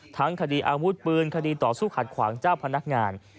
ทั้งคดีอาวุธปืนคดีต่อสู้ขัดขวางเจ้าพนักงาน